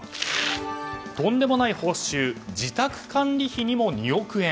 とんでもない報酬自宅管理費にも２億円。